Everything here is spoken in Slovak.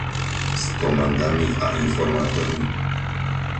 S komandami a informátormi?